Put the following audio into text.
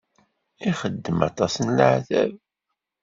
Ixeddem aṭas n leɛtab.